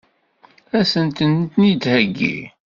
Ad sen-ten-id-theggi?